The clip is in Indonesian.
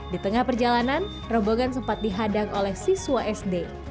di tengah perjalanan rombongan sempat dihadang oleh siswa sd